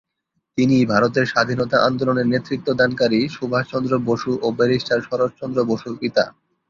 তিনি ভারতের স্বাধীনতা আন্দোলনের নেতৃত্বদানকারী সুভাষচন্দ্র বসু ও ব্যারিস্টার শরৎচন্দ্র বসুর পিতা।